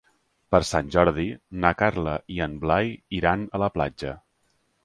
Per Sant Jordi na Carla i en Blai iran a la platja.